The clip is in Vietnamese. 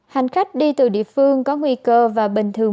hành khách đi từ địa phương có nguy cơ và bình thường